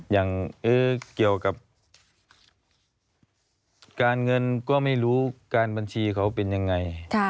อย่างเกี่ยวกับการเงินก็ไม่รู้การบัญชีเขาเป็นยังไง